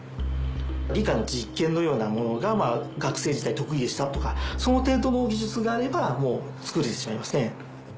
理科の実験のようなものが学生時代得意でしたとかその程度の技術があれば作れてしまいますね。